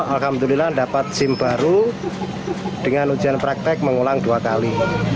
alhamdulillah dapat sim baru dengan ujian praktik mengulang dua kali